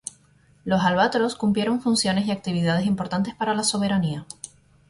Los Albatross cumplieron funciones y actividades importantes para la soberanía.